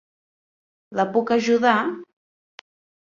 La puc ajudar?